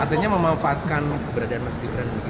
artinya memanfaatkan keberadaan mas gibran